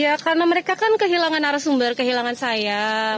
ya karena mereka kan kehilangan arah sumber kehilangan saya